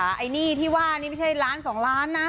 ไอ้หนี้ที่ว่านี่ไม่ใช่ล้าน๒ล้านนะ